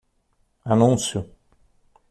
Anúncio